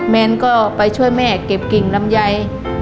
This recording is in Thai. แนนก็ไปช่วยแม่เก็บกิ่งลำไย